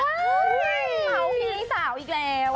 เฮ้ยเผาเพียงสาวอีกแล้ว